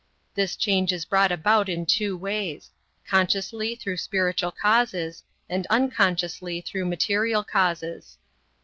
This change is brought about in two ways: consciously through spiritual causes, and unconsciously through material causes.